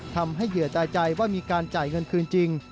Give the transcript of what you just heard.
เหยื่อตายใจว่ามีการจ่ายเงินคืนจริง